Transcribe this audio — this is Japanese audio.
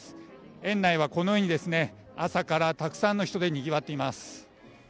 園内はこのように、朝からたくさんの人でにぎわっています。